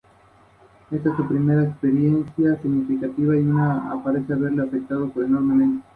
Habita en los bosques nubosos de montaña desde el sur de Perú hasta Bolivia.